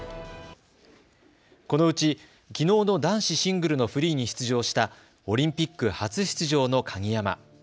このうち、きのうの男子シングルのフリーに出場したオリンピック初出場の鍵山。